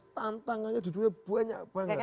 tantangannya dua duanya banyak banget